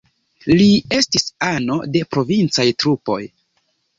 Li estis ano de provincaj trupoj.